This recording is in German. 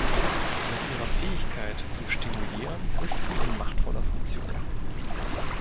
Mit ihrer Fähigkeit zu stimulieren ist sie in machtvoller Funktion“.